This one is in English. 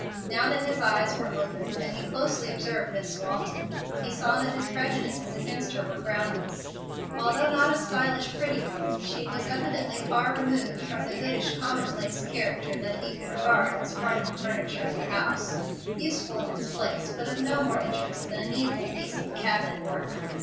Now that his eyes were opened, and he closely observed Miss Walton, he saw that his prejudices against her were groundless. Although not a stylish, pretty woman, she was evidently far removed from the goodish, commonplace character that he could regard as part of the furniture of the house, useful in its place, but of no more interest than a needful piece of cabinet work.